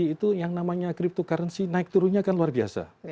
itu yang namanya cryptocurrency naik turunnya kan luar biasa